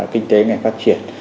kinh tế ngày phát triển